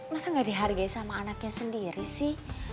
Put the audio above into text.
masa gak dihargai sama anaknya sendiri sih